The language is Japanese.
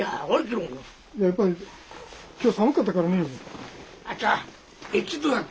やっぱり今日寒かったからね。